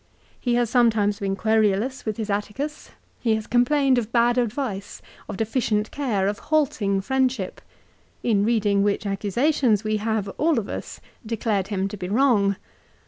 He has sometimes been querulous with his Atticus. He has complained of bad advice, of 1 De Senectuto ca. xxi. CICERO'S MORAL ESSAYS. 383 deficient care, of halting friendship, in reading which accusations we have, all of us, declared him to be wrong.